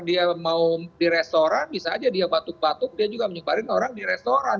dia mau di restoran bisa aja dia batuk batuk dia juga menyebarin orang di restoran